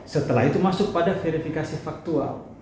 setelah itu masuk pada verifikasi faktual